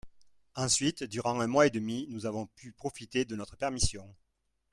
Ensuite durant un mois et demi nous avons pu profiter de notre permission